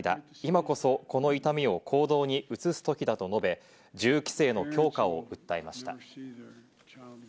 今こそ、この痛みを行動に移す時だと述べ、銃規制の強化を訴えました。